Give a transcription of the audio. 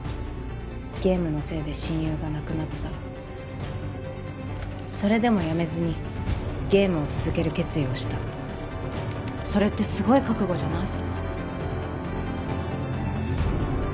ゲームのせいで親友が亡くなったそれでもやめずにゲームを続ける決意をしたそれってすごい覚悟じゃない？